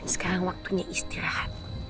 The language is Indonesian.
sekarang waktunya istirahat